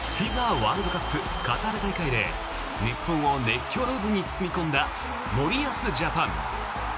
ワールドカップカタール大会で日本を熱狂の渦に包み込んだ森保ジャパン。